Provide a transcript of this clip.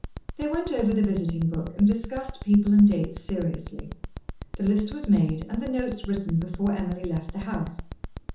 They went over the visiting book and discussed people and dates seriously. The list was made and the notes written before Emily left the house.